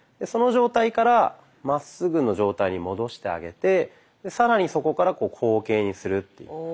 その状態からまっすぐの状態に戻してあげて更にそこから後傾にするっていう。